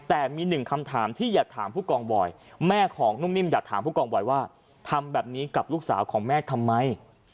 แต่มีหนึ่งคำถามที่อยากถามผู้กองบอยแม่ของนุ่มนิ่มอยากถามผู้กองบอยว่าทำแบบนี้กับลูกสาวของแม่ทำไม